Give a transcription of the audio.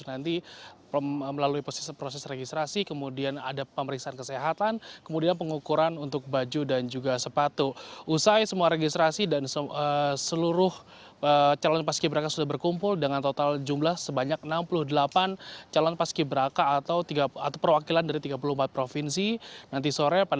apakah sehingga siang ini semua calon paski berak akan menjalani pemusatan pelatihan